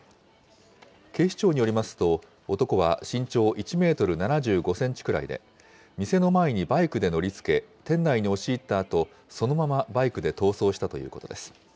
警視庁によりますと、男は身長１メートル７５センチくらいで、店の前にバイクで乗り付け、店内に押し入ったあと、そのままバイクで逃走したということです。